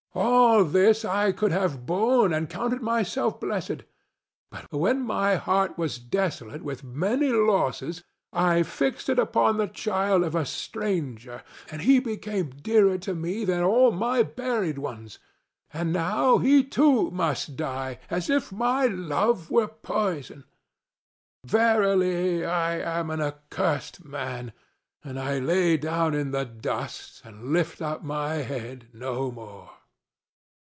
All this I could have borne and counted myself blessed. But when my heart was desolate with many losses, I fixed it upon the child of a stranger, and he became dearer to me than all my buried ones; and now he too must die as if my love were poison. Verily, I am an accursed man, and I will lay me down in the dust and lift up my head no more."